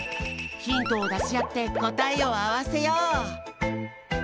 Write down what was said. ヒントをだしあってこたえをあわせよう！